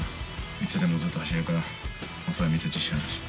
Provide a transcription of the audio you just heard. いつでもずっと走れるから、それを見せる自信ある。